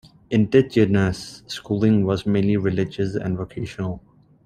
Indigenous schooling was mainly religious and vocational.